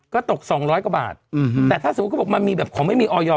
ก็ตกสองร้อยกว่าบาทแต่ถ้าสมมุติเขาบอกมันมีแบบของไม่มีออยอร์